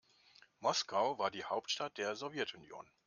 Moskau war die Hauptstadt der Sowjetunion.